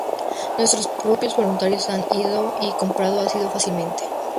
Nuestros propios voluntarios han ido y comprado ácido fácilmente.